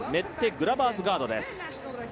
グラバースガードです。